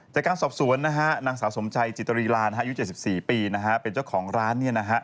จากการสอบสวนนางสาวสมชัยจิตรีรายุค๗๔ปีเป็นเจ้าของร้าน